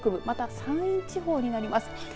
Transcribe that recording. また、山陰地方になります。